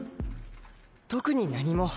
特に何も。